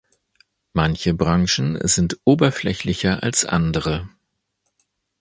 Manche Branchen sind oberflächlicher als andere.